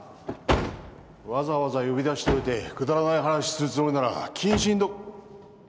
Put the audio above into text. わざわざ呼び出しておいてくだらない話するつもりなら謹慎ど。